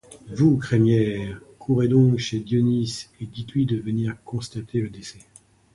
Vous, Crémière, courez donc chez Dionis et dites-lui de venir constater le décès.